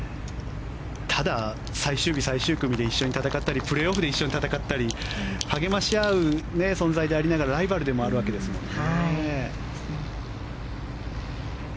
ただ、最終日、最終組で一緒に戦ったりプレーオフで一緒に戦ったり励まし合う存在でもありながらライバルでもあるわけですもんね。